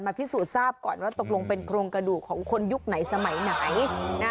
พิสูจน์ทราบก่อนว่าตกลงเป็นโครงกระดูกของคนยุคไหนสมัยไหนนะ